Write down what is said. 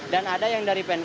dan ada yang dari penang